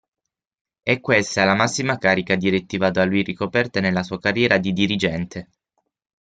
È questa la massima carica direttiva da lui ricoperta nella sua carriera di dirigente.